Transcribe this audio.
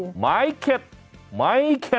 จัดกระบวนพร้อมกัน